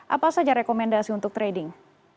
apa saja rekomendasi untuk trading